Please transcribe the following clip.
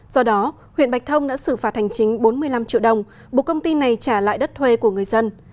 do đó huyện bạch thông đã xử phạt hành chính bốn mươi năm triệu đồng buộc công ty này trả lại đất thuê của người dân